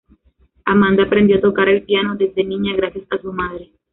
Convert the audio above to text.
Amanda aprendió a tocar el piano desde niña gracias a su madre.